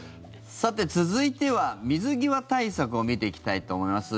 さて、続いては水際対策を見ていきたいと思います。